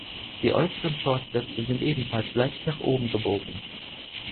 Die äußeren Fortsätze sind ebenfalls leicht nach oben gebogen.